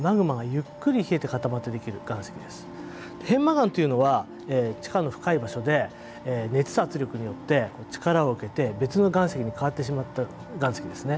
片麻岩というのは地下の深い場所で熱や圧力によって力を受けて別の岩石に変わってしまった岩石ですね。